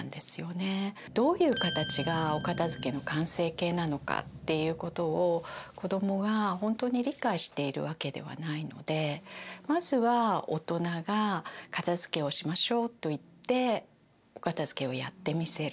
どういう形がお片づけの完成形なのかっていうことを子どもが本当に理解しているわけではないのでまずは大人が「片づけをしましょう」と言ってお片づけをやってみせる。